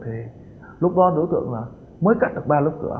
thì lúc đó đối tượng mới cắt được ba lớp cửa